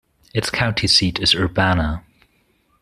Its county seat is Urbana.